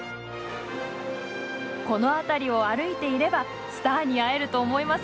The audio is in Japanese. この辺りを歩いていればスターに会えると思いませんか？